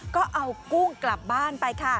ก็เอากุ้งกลับบ้านไปค่ะ